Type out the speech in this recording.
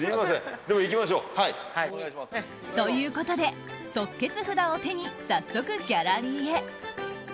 行きましょう。ということで即決札を手に早速ギャラリーへ。